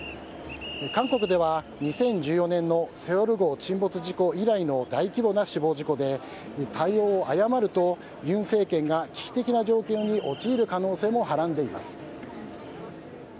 韓国では２０１４年の「セウォル号」沈没事故以来の大規模な死亡事故で対応を誤ると尹政権が危機的な状況に陥る可能性もはらんでいます。